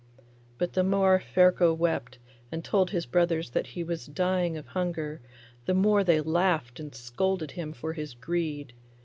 But the more Ferko wept and told his brothers that he was dying of hunger, the more they laughed and scolded him for his greed.